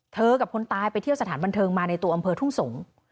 กับคนตายไปเที่ยวสถานบันเทิงมาในตัวอำเภอทุ่งสงศ์